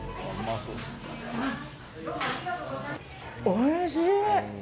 おいしい！